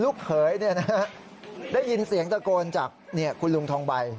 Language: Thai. ลูกเขยได้ยินเสียงตะโกนจากคุณลุงทองใบ